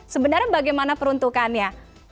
sebenarnya bagaimana peruntukannya